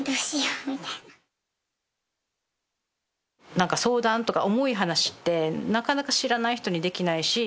なんか相談とか重い話ってなかなか知らない人にできないし。